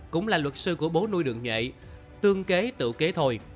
cũng là luật sư của bố nuôi đường nhuệ tương kế tự kế thôi